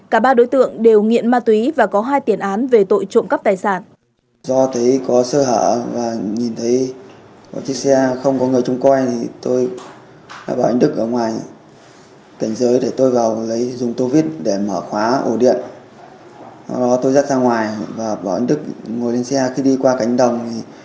cả ba đối tượng đều nghiện ma túy và có hai tiền án về tội trộm cấp tài sản